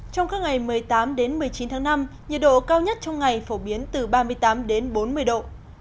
trong các ngày một mươi tám đến một mươi chín tháng năm nhiệt độ cao nhất trong ngày phổ biến từ ba mươi tám đến bốn mươi độ